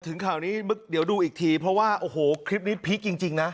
ข่าวนี้เดี๋ยวดูอีกทีเพราะว่าโอ้โหคลิปนี้พีคจริงนะ